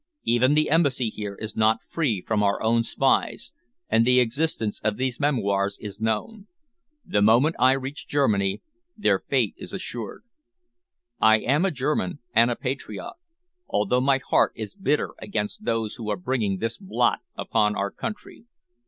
Even the Embassy here is not free from our own spies, and the existence of these memoirs is known. The moment I reach Germany, their fate is assured. I am a German and a patriot, although my heart is bitter against those who are bringing this blot upon our country.